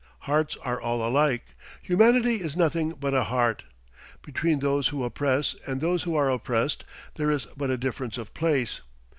Hearts are all alike. Humanity is nothing but a heart. Between those who oppress and those who are oppressed there is but a difference of place.